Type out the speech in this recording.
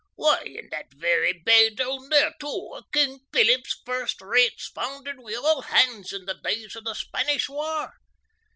Why, in that very bay down there two o' King Philip's first rates foundered wi' all hands in the days o' the Spanish war.